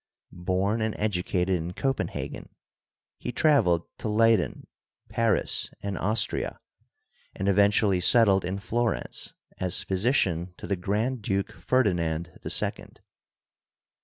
Born and educated in Copenhagen, he traveled to Leyden, Paris and Austria and eventually settled in Florence as physician to the Grand Duke Ferdi nand the Second.